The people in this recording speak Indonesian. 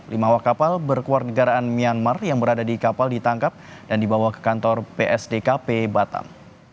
lima awak kapal berkeluar negaraan myanmar yang berada di kapal ditangkap dan dibawa ke kantor psdkp batam